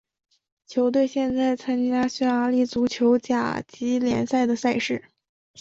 球队现在参加匈牙利足球甲级联赛的赛事。